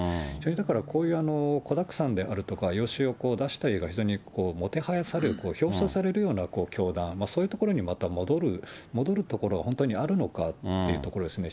だからこういう子だくさんであるとか、養子を出したりがもてはやされる、表彰されるような教団、そういうところにまた戻るところ、本当にあるのかということですね。